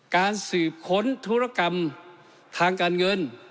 การสืบค้นธุรกรรมทางการเงิน